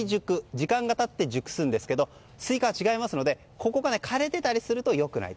時間が経って熟すんですけどスイカは違いますので枯れていたりすると良くない。